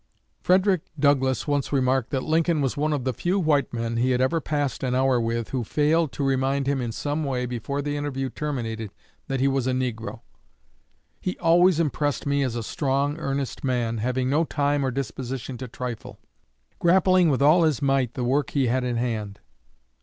Frederick Douglass once remarked that Lincoln was one of the few white men he ever passed an hour with who failed to remind him in some way, before the interview terminated, that he was a negro. "He always impressed me as a strong, earnest man, having no time or disposition to trifle; grappling with all his might the work he had in hand.